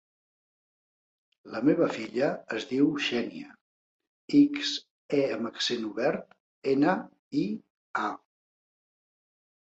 La meva filla es diu Xènia: ics, e amb accent obert, ena, i, a.